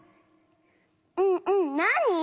うんうんなに？